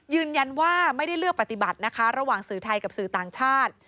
ยืนยันว่าไม่ได้เลือกปฏิบัตินะคะระหว่างสื่อไทยกับสื่อต่างชาติ